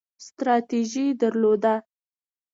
ستراتیژي درلوده